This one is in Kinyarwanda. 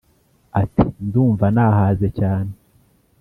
ati: ndumva nahaze cyane